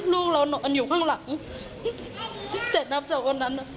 ลูกเรานอนอยู่ข้างหลังตั้งแต่นับจากวันนั้น